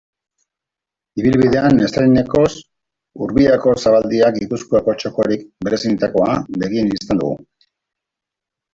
Ibilbidean estreinakoz, Urbiako zabaldia, Gipuzkoako txokorik berezienetakoa, begien bistan dugu.